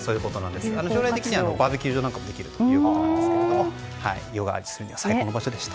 将来的にはバーベキュー場などもできるということでヨガをするには最高の場所でした。